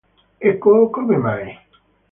Ecco, come mai?